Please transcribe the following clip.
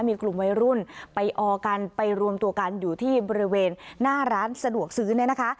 มีกลุ่มวัยรุ่นไปออกันไปรวมตัวกันอยู่ที่บริเวณหน้าร้านสะดวกซื้อเนี่ยนะคะ